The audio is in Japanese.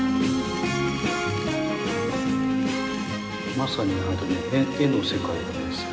まさに絵の世界ですね。